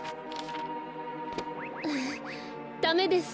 ダメです。